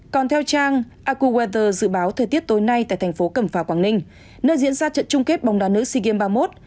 còn theo trang accuweather dự báo thời tiết tối nay tại thành phố cầm phà quảng ninh nơi diễn ra trận chung kết bóng đá nữ sea games ba mươi một